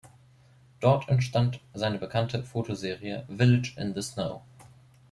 Dort entstand seine bekannte Fotoserie "Village in the Snow".